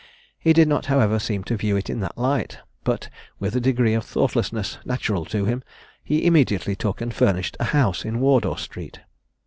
He did not, however, seem to view it in that light, but, with a degree of thoughtlessness natural to him, he immediately took and furnished a house in Wardour street.